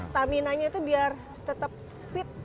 staminanya itu biar tetap fit